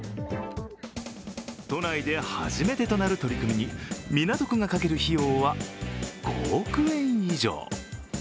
都内で初めてとなる取り組みに港区がかける費用は５億円以上。